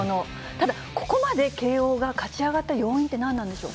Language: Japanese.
ただ、ここまで慶応が勝ち上がった要因って何なんでしょう。